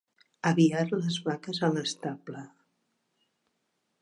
Aviar les vaques a l'estable.